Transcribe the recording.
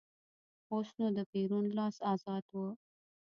اوس نو د پېرون لاس ازاد و.